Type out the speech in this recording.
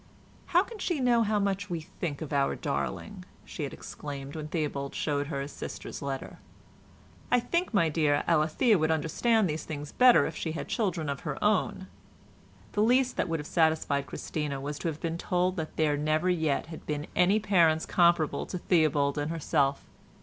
"How can she know how much we think of our darling?" she had exclaimed, when Theobald showed her his sister's letter. "I think, my dear, Alethea would understand these things better if she had children of her own." The least that would have satisfied Christina was to have been told that there never yet had been any parents comparable to Theobald and herself.